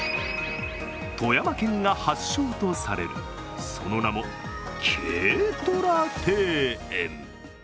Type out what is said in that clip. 富山県が発祥とされるその名も軽トラ庭園。